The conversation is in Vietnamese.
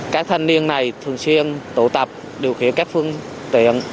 các thành viên này thường xuyên tụ tập điều khiển các phương tiện